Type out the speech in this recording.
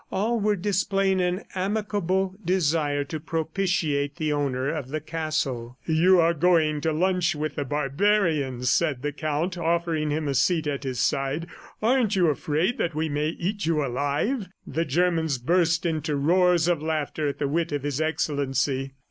All were displaying an amicable desire to propitiate the owner of the castle. "You are going to lunch with the barbarians," said the Count, offering him a seat at his side. "Aren't you afraid that we may eat you alive?" The Germans burst into roars of laughter at the wit of His Excellency.